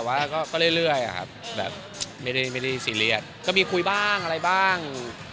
แต่ว่าก็เรื่อยอะครับแบบไม่ได้ซีเรียสก็มีคุยบ้างอะไรบ้าง